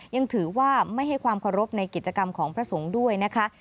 ยังถือว่าไม่ให้ความเคารพในกิจกรรมของพระสงฆ์ด้วยนะคะ